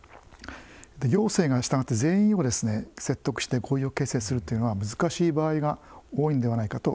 行政が全員を説得して合意を形成するというのは難しい場合が多いのではないかと思います。